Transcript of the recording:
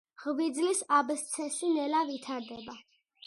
ღვიძლის აბსცესი ნელა ვითარდება.